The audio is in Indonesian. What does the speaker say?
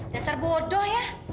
dasar bodoh ya